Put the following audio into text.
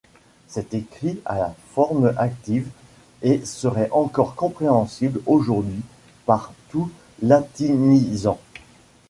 C'est écrit à la forme active et serait encore compréhensible aujourd'hui par tout latinisant.